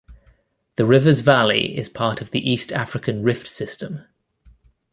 The river's valley is part of the East African Rift system.